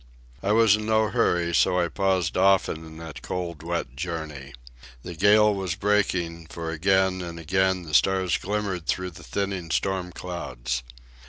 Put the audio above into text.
I was in no hurry, so I paused often in that cold, wet journey. The gale was breaking, for again and again the stars glimmered through the thinning storm clouds.